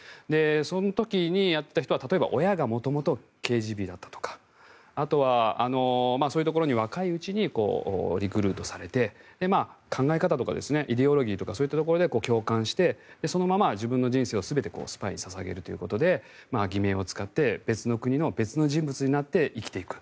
その時にやった人は例えば、親が元々ＫＧＢだったとかあとは、そういうところに若いうちにリクルートされて考え方とかイデオロギーとかそういったところで共感してそのまま自分の人生を全てスパイに捧げるということで偽名を使って別の国の別の人物になって生きていく。